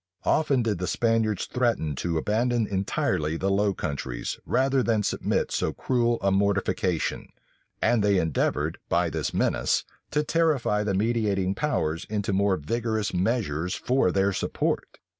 Often did the Spaniards threaten to abandon entirely the Low Countries, rather than submit to so cruel a mortification; and they endeavored, by this menace, to terrify the mediating powers into more vigorous measures for their support.